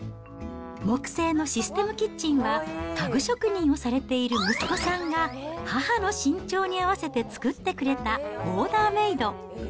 木製のシステムキッチンは、家具職人をされている息子さんが、母の身長に合わせて作ってくれたオーダーメード。